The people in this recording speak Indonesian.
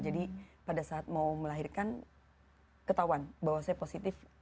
jadi pada saat mau melahirkan ketahuan bahwa saya positif